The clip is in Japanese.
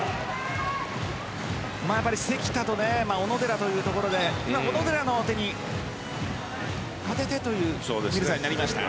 関田と小野寺というところで小野寺の手に当ててというミルザになりました。